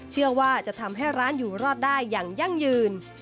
เชื่อว่าจะทำให้ร้านอยู่รอดได้อย่างยั่งยืน